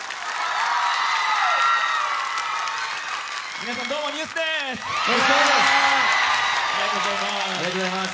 皆さんどうもＮＥＷＳです！